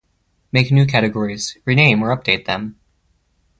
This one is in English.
Make new categories, rename or update them.